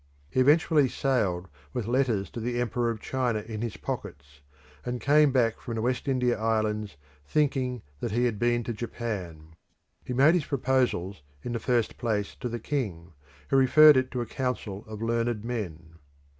He eventually sailed with letters to the Emperor of China in his pockets and came back from the West India Islands thinking that he had been to Japan. He made his proposals in the first place to the king, who referred it to a council of learned men.